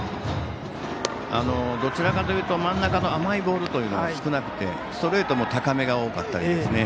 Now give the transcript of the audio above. どちらかというと真ん中の甘いボールというのが少なくてストレートも高めが多かったり。